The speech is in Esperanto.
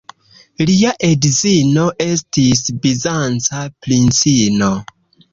Lia edzino estis bizanca princino.